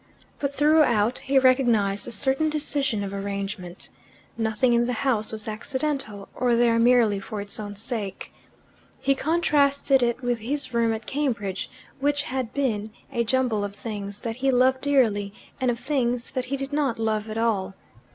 But throughout he recognized a certain decision of arrangement. Nothing in the house was accidental, or there merely for its own sake. He contrasted it with his room at Cambridge, which had been a jumble of things that he loved dearly and of things that he did not love at all.